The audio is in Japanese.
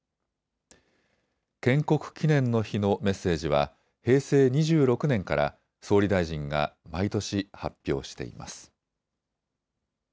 建国記念の日のメッセージは平成２６年から総理大臣が毎年発表しています。